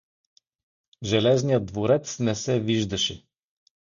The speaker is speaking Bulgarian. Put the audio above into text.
Железният дворец не се виждаше.